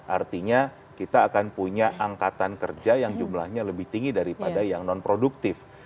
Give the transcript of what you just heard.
artinya kita akan punya angkatan kerja yang jumlahnya lebih tinggi daripada yang non produktif